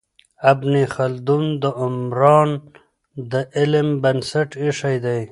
ابن خلدون د عمران د علم بنسټ ایښی دی.